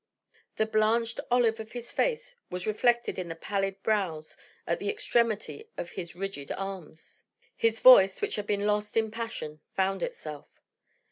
The blanched olive of his face was reflected in the pallid brows at the extremity of his rigid arms. His voice, which had been lost in passion, found itself.